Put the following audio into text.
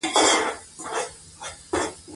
او د ژوند د مختلفو اړخونو ترجماني هم پکښې شوې ده